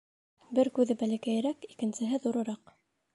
Бер күҙе бәләкәйерәк, икенсеһе ҙурыраҡ.